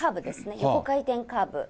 横回転カーブ。